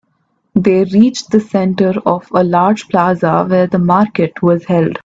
They reached the center of a large plaza where the market was held.